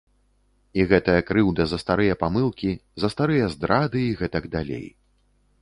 І гэтая крыўда за старыя памылкі, за старыя здрады і гэтак далей.